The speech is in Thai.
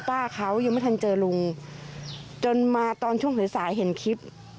ป้าเขายังไม่ทันเจอลุงจนมาตอนช่วงสายสายเห็นคลิป